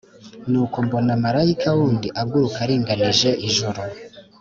Nuko mbona marayika wundi aguruka aringanije ijuru,